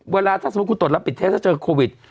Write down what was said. เวลาถ้าสมมุติคุณตรวจแล้วปิดเทสถ้าเจอโควิด